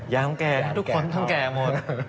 ย้ำแก่ทุกคนต้องแก่หมด